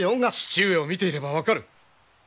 父上を見ていれば分かる！